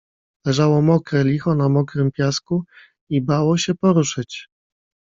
Leżało mokre licho na mokrym piasku i bało się poruszyć.